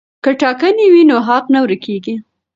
که ټاکنې وي نو حق نه ورک کیږي.